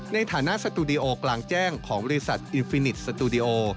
ในฐานะสตูดิโอกลางแจ้งของบริษัทอิมฟินิตสตูดิโอ